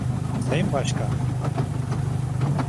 Sayın Başkan.